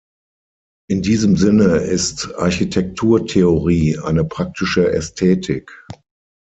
In diesem Sinne ist Architekturtheorie eine praktische Ästhetik.